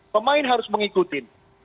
pemain harus mengikuti